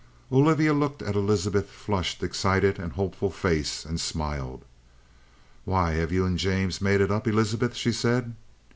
Olivia looked at Elizabeth's flushed, excited and hopeful face, and smiled. "Why, have you and James made it up, Elizabeth?" she said.